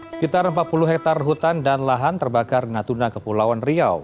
sekitar empat puluh hektare hutan dan lahan terbakar natuna ke pulauan riau